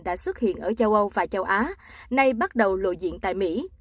đã xuất hiện ở châu âu và châu á nay bắt đầu lộ diện tại mỹ